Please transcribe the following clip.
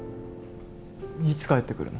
いつ帰ってくるの？